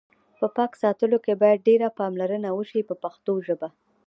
په پاک ساتلو کې باید ډېره پاملرنه وشي په پښتو ژبه.